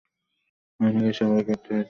আপনার কি স্বাভাবিক মৃত্যু হয়েছিল?